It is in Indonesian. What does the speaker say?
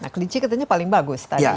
nah kelinci katanya paling bagus tadi